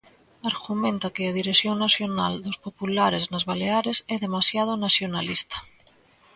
Argumenta que a dirección nacional dos populares nas Baleares é demasiado nacionalista.